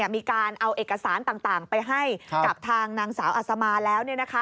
มีการเอาเอกสารต่างไปให้กับทางนางสาวอัศมาแล้ว